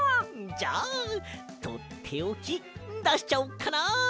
じゃあとっておきだしちゃおっかな。